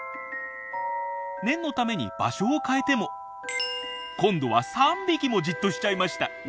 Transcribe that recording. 念のために場所を変えても今度は３匹もじっとしちゃいました！